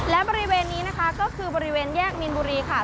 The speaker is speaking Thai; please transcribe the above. และบริเวณนี้นะคะก็คือบริเวณแยกมีนบุรีค่ะ